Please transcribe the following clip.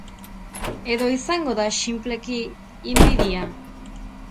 Edo izango da, sinpleki, inbidia.